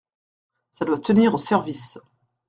Ca doit tenir au service.